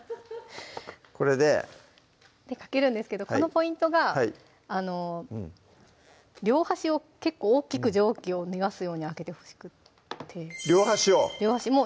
これでかけるんですけどこのポイントが両端を結構大きく蒸気を逃がすように開けてほしくて両端を？